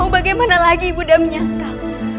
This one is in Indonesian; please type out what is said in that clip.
mau bagaimana lagi ibu dah menyatakan